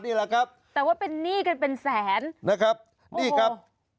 แต่ว่าเป็นนี่กันเป็นแสนนะครับนี่ครับ